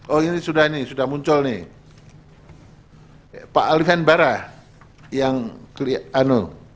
oh ini sudah muncul nih pak alvian barah yang kelihatan